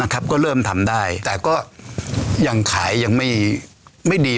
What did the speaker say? ก็เริ่มทำได้แต่ก็ยังขายยังไม่ดี